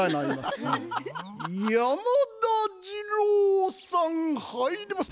山田じろうさん入ります！